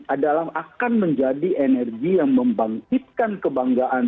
adalah akan menjadi energi yang membangkitkan kebanggaan